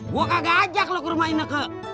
gua kagak ajak lo ke rumah ineke